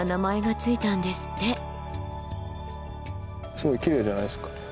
すごいきれいじゃないですか。